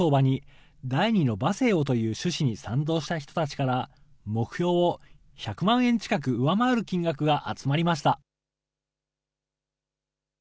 競走馬に第２の馬生をという趣旨に賛同した人たちから、目標を１００万円近く上回る金額が集まりました。